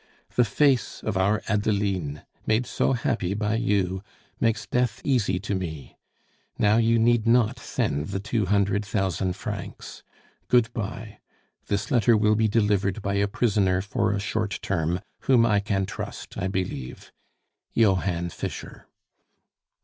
The face of our Adeline, made so happy by you, makes death easy to me. Now you need not send the two hundred thousand francs. Good bye. "This letter will be delivered by a prisoner for a short term whom I can trust, I believe. "JOHANN FISCHER."